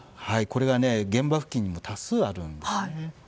これが現場付近に多数あるんですね。